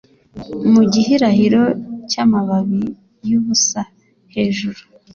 Mu gihirahiro cyamababi yubusa hejuru